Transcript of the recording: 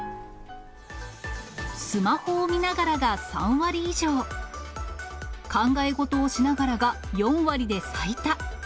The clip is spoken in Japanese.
スマホを見ながらが３割以上、考え事をしながらが４割で最多。